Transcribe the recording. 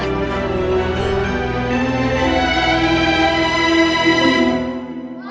saudaka mulaul adzim